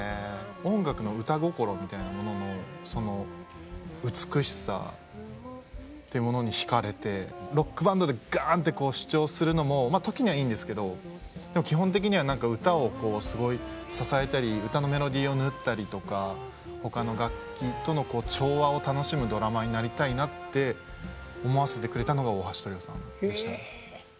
音楽の歌心みたいなものの美しさっていうものに惹かれてロックバンドでガーンって主張するのも時にはいいんですけど基本的には何か歌を支えたり歌のメロディーを縫ったりとか他の楽器との調和を楽しむドラマーになりたいなって思わせてくれたのが大橋トリオさんでした。